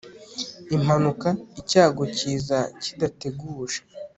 impanuka icyago kiza kidateguje